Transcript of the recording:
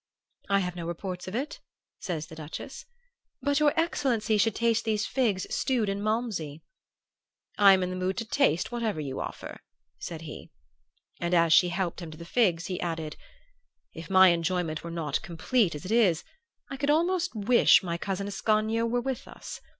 "'I have no reports of it,' says the Duchess. 'But your excellency should taste these figs stewed in malmsey ' "'I am in the mood to taste whatever you offer,' said he; and as she helped him to the figs he added, 'If my enjoyment were not complete as it is, I could almost wish my cousin Ascanio were with us.